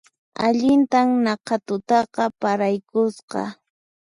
Allintan naqha tutaqa paraykusqa